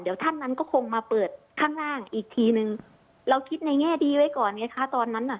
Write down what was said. เดี๋ยวท่านนั้นก็คงมาเปิดข้างล่างอีกทีนึงเราคิดในแง่ดีไว้ก่อนไงคะตอนนั้นน่ะ